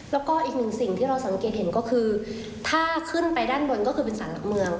แล้วก็อีกหนึ่งสิ่งที่เราสังเกตเห็นก็คือถ้าขึ้นไปด้านบนก็คือเป็นสารหลักเมือง